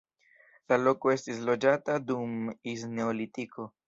La loko estis loĝata dum ls neolitiko.